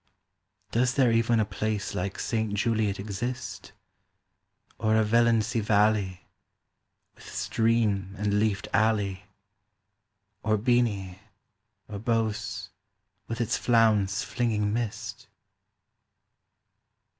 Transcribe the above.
Does there even a place like Saint Juliot exist? Or a Vallency Valley With stream and leafed alley, Or Beeny, or Bos with its flounce flinging mist?